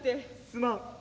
「すまん」。